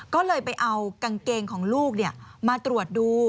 ก็เลยไปเอากางเกงของลูกมาตรวจดู